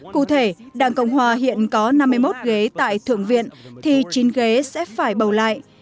cụ thể đảng cộng hòa hiện có năm mươi một ghế tại thượng viện thì chín ghế sẽ phải bầu lại